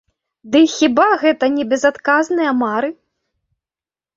Дый хіба гэта не безадказныя мары?